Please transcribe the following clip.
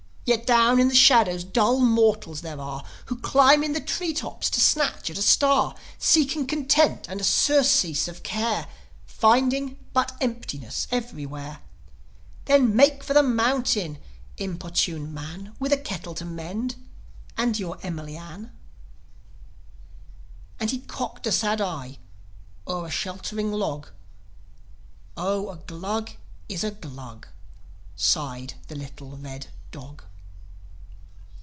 Yet down in the shadow dull mortals there are Who climb in the tree tops to snatch at a star: Seeking content and a surcease of care, Finding but emptiness everywhere. Then make for the mountain, importunate man! With a kettle to mend ... and your Emily Ann. As he cocked a sad eye o'er a sheltering log, "Oh, a Glug is a Glug!" sighed the little red dog.